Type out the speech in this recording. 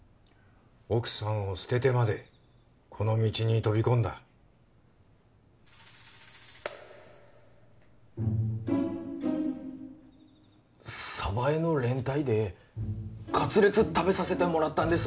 奥さんを捨ててまでこの道に飛び込んだ鯖江の連隊でカツレツ食べさせてもらったんです